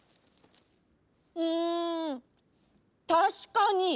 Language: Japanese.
うんたしかに。